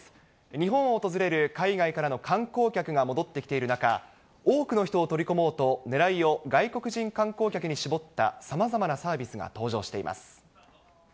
日本を訪れる海外からの観光客が戻ってきている中、多くの人を取り込もうと、ねらいを外国人観光客に絞ったさまざまなサービスが登場しています。